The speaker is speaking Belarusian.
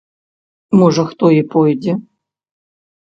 Можа, хто і пойдзе?